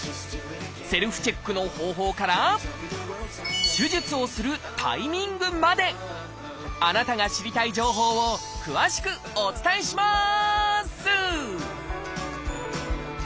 セルフチェックの方法から手術をするタイミングまであなたが知りたい情報を詳しくお伝えします！